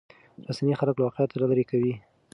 رسنۍ خلک له واقعیت لرې کوي.